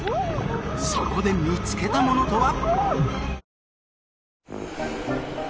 そこで見つけたものとは！？